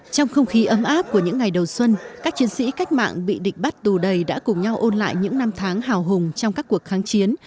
trong không khí ấm áp của những ngày đầu xuân các chiến sĩ cách mạng bị địch bắt tù đầy đã cùng nhau ôn lại những năm tháng hào hùng trong các cuộc kháng chiến